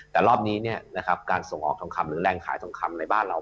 แต่รอบนี้การส่งออกทองคำหรือแรงขายทองคำในบ้านเรา